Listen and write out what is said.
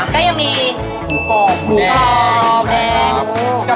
ก็ยังมีหมูกรอบ